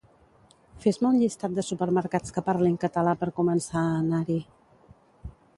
Fes-me un llistat de supermercats que parlin català per començar a anar-hi